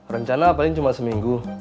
rencana paling cuma seminggu